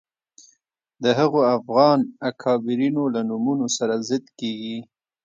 د هغو افغان اکابرینو له نومونو سره ضد کېږي